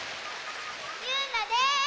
ゆうなです！